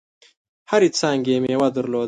هرې څانګي یې مېوه درلوده .